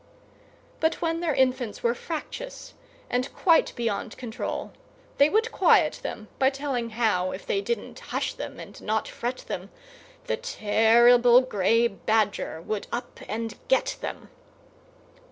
But when their infants were fractious and quite beyond control, they would quiet them by telling how, if they didn't hush them and not fret them, the terrible grey Badger would up and get them.